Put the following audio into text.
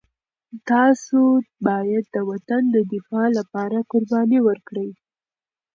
تاسو باید د وطن د دفاع لپاره قرباني ورکړئ.